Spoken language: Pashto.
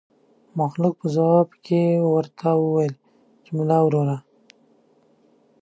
مخلوق په ځواب کې ورته وويل چې ملا وروره.